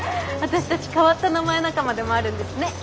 私たち変わった名前仲間でもあるんですね。